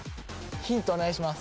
ヒントお願いします。